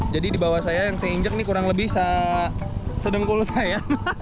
jadi di bawah saya yang saya injek ini kurang lebih sedengkul saya